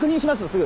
すぐ。